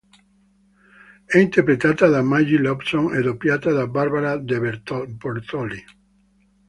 È interpretata da Maggie Lawson e doppiata da Barbara De Bortoli.